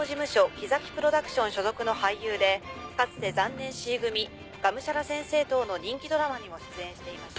きざきプロダクション所属の俳優でかつて『残念Ｃ組』『がむしゃら先生』等の人気ドラマにも出演していました」